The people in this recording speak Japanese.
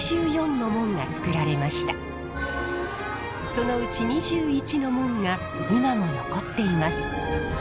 そのうち２１の門が今も残っています。